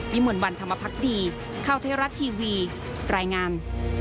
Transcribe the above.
วิมวันวันธรรมพักษ์ดีข้าวเทศรัทย์ทีวีรายงาน